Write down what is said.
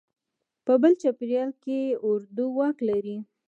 په بل چاپېریال کې اردو واک لري.